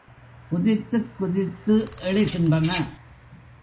குதித்துக் குதித்து எழுகின்றன.